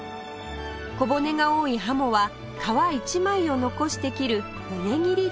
小骨が多いハモは皮一枚を残して切る骨切りで下処理